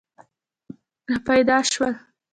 را پیدا شول.